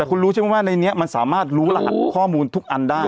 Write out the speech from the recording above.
แต่คุณรู้ใช่ไหมว่าในนี้มันสามารถรู้รหัสข้อมูลทุกอันได้